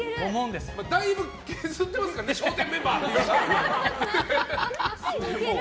だいぶ削ってますからね「笑点」メンバーっていう。